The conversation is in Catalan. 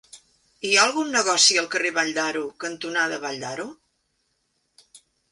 Hi ha algun negoci al carrer Vall d'Aro cantonada Vall d'Aro?